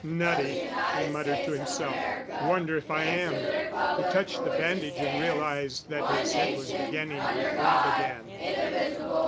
"Nutty!" he muttered to himself; "wonder if I am." He touched the bandage and realized that his head was beginning to throb again.